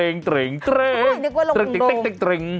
นึกว่าลงโด่ง